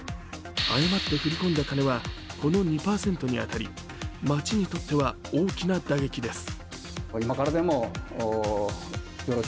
誤って振り込んだ金は、この２％に当たり、町にとっては大きな打撃です。